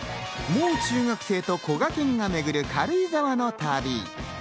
もう中学生とこがけんがめぐる軽井沢の旅。